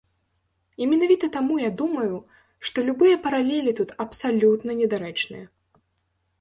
І менавіта таму я думаю, што любыя паралелі тут абсалютна недарэчныя.